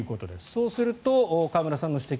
そうすると河村さんの指摘